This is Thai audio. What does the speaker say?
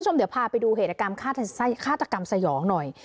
คุณผู้ชมเดี๋ยวพาไปดูเหตุการณ์ฆาตกรรมสยองหน่อย